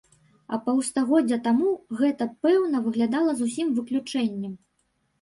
А паўстагоддзя таму гэта, пэўна, выглядала зусім выключэннем!